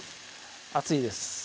熱いです